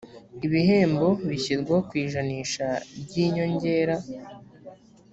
ibihembo bishyirwa ku ijanisha ry inyongera